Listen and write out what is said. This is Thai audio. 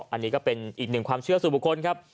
อันนี้ก็เป็นอีกหนึ่งความเชื่อสู่บุคคลครับ